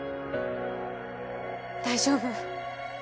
大丈夫。